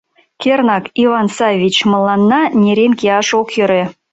Кернак, Иван Саввич, мыланна нерен кияш ок йӧрӧ.